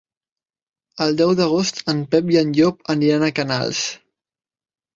El deu d'agost en Pep i en Llop aniran a Canals.